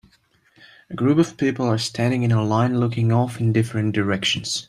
A group of people are standing in a line looking off in different directions.